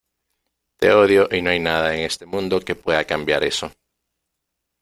te odio y no hay nada en este mundo que pueda cambiar eso .